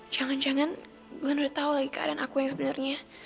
jangan jangan glenn udah tahu lagi keadaan aku yang sebenarnya